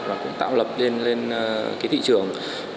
và cũng tạo lập lên cái thị trường